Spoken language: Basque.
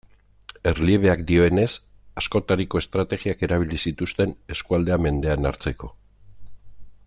Erliebeak dioenez, askotariko estrategiak erabili zituzten eskualdea mendean hartzeko.